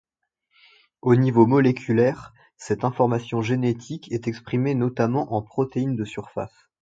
Au niveau moléculaire, cette information génétique est exprimée notamment en protéines de surface.